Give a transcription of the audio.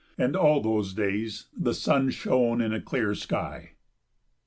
And all those days the sun shone in a clear sky!